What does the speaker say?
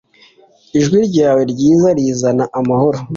Ijwi ryawe ryiza rizana amahoro